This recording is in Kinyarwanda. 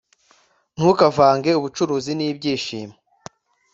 ntukavange ubucuruzi nibyishimo